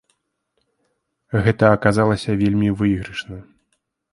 Гэта аказалася вельмі выйгрышна.